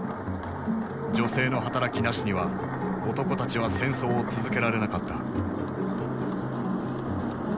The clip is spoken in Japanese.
女性の働きなしには男たちは戦争を続けられなかった。